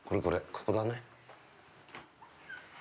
ここだね。